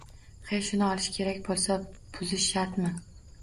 He, shuni olish kerak bo‘lsa, buzish shartmi?